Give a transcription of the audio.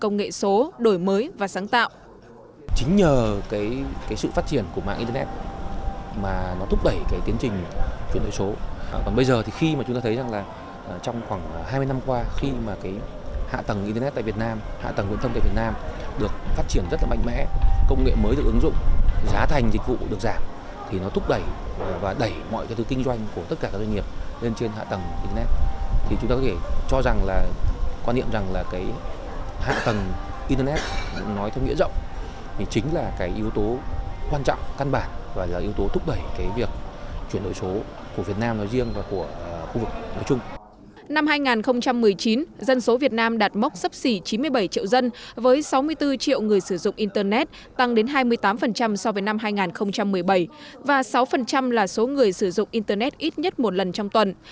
năm hai nghìn một mươi chín dân số việt nam đạt mốc sắp xỉ chín mươi bảy triệu dân với sáu mươi bốn triệu người sử dụng internet tăng đến hai mươi tám so với năm hai nghìn một mươi bảy và sáu là số người sử dụng internet ít nhất một lần trong tuần